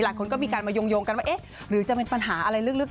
หลายคนก็มีการมาโยงกันว่าเอ๊ะหรือจะเป็นปัญหาอะไรลึก